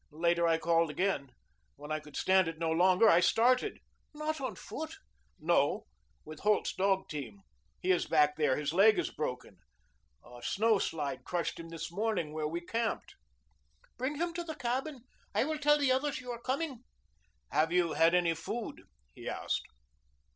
Later I called again. When I could stand it no longer, I started." "Not on foot?" "No. With Holt's dog team. He is back there. His leg is broken. A snow slide crushed him this morning where we camped." "Bring him to the cabin. I will tell the others you are coming." "Have you had any food?" he asked.